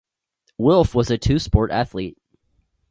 Wilf was a two-sport athlete.